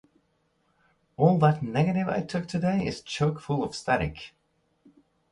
All that negative I took today is chock-full of static.